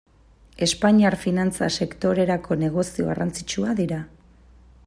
Espainiar finantza sektorerako negozio garrantzitsua dira.